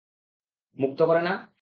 মুক্ত করে না?